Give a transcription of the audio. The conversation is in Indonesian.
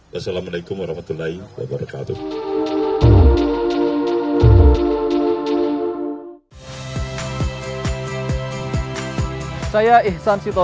wassalamu alaikum warahmatullahi wabarakatuh